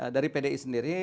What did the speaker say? dari pdi sendiri